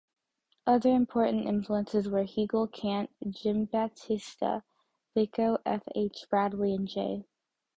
Other important influences were Hegel, Kant, Giambattista Vico, F. H. Bradley and J.